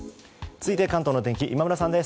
続いて関東の天気今村さんです。